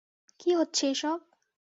কী হচ্ছে এসব?